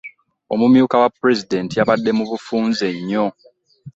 Omumyuka wa pulezidenti yabadde mu bufunze nnyo.